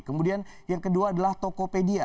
kemudian yang kedua adalah tokopedia